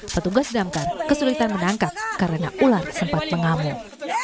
petugas damkar kesulitan menangkap karena ular sempat mengamuk